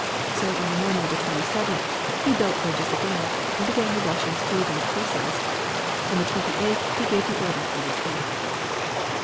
So on the morning of the 27th he built bridges again, and again the Russians blew them to pieces. On the 28th he gave the order for retreat.